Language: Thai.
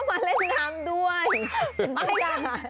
มาเล่นรังด้วย